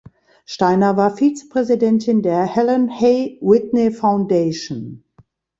Steiner war Vizepräsidentin der Helen Hay Whitney Foundation.